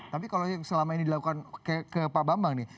tapi kalau yang selama ini dilakukan ke pak bambang nih